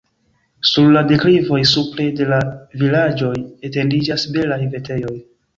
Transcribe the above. Sur la deklivoj supre de la vilaĝoj etendiĝas belaj vitejoj.